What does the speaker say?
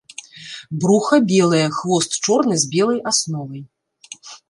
Бруха белае, хвост чорны з белай асновай.